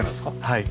はい。